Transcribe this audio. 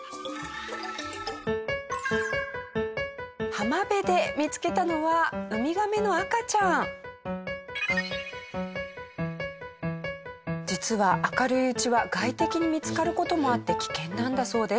浜辺で見つけたのは実は明るいうちは外敵に見つかる事もあって危険なんだそうです。